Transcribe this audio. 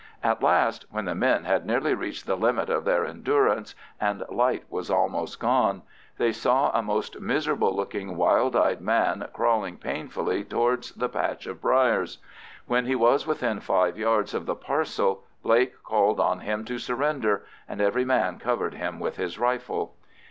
At last, when the men had nearly reached the limit of their endurance and light was almost gone, they saw a most miserable looking wild eyed man crawling painfully towards the patch of briers. When he was within five yards of the parcel Blake called on him to surrender, and every man covered him with his rifle.